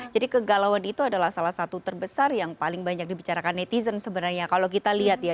jadi kegalauan itu adalah salah satu terbesar yang paling banyak dibicarakan netizen sebenarnya kalau kita lihat ya